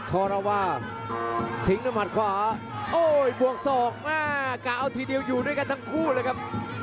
กล้าเอาทีเดียวอยู่ด้วยกันทั้งคู่เลยครับ